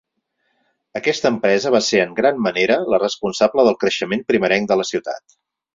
Aquesta empresa va ser en gran manera la responsable del creixement primerenc de la ciutat.